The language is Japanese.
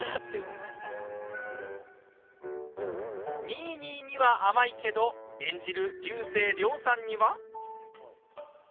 ニーニーには甘いけど演じる竜星涼さんには。